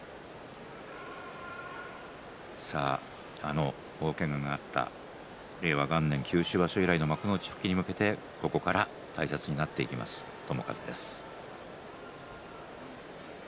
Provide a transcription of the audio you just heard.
あの大けががあった令和元年九州場所以来の幕内復帰に向けてここから大切になってきます、友風です。